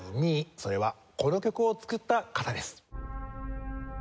それはこの曲を作った方です。